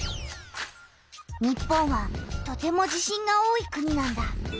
日本はとても地震が多い国なんだ。